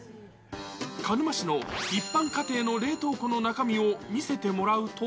鹿沼市の一般家庭の冷凍庫の中身を見せてもらうと。